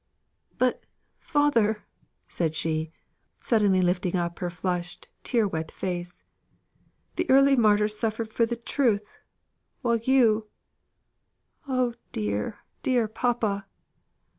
"But, father," said she, suddenly lifting up her flushed, tear wet face, "the early martyrs suffered for the truth, while you oh! dear, dear papa!"